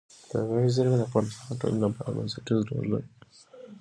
طبیعي زیرمې د افغانستان د ټولنې لپاره بنسټيز رول لري.